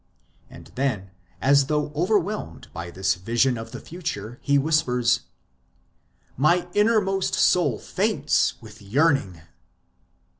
And then, as though overwhelmed by this vision of the future, he whispers : My innermost soul faints with yearning